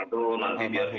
itu nanti biar dia bercerahan